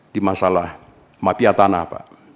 di masalah mafia tanah pak